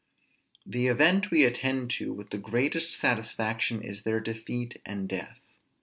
The event we attend to with the greatest satisfaction is their defeat and death.